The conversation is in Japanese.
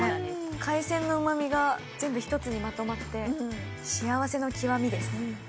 海鮮のうまみが全部一つにまとまって幸せの極みです。